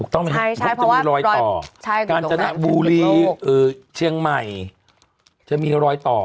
ถูกต้องมั้ย